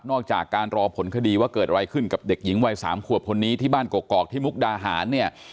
จากการรอผลคดีว่าเกิดอะไรขึ้นกับเด็กหญิงวัย๓ขวบคนนี้ที่บ้านกอกที่มุกดาหารเนี่ย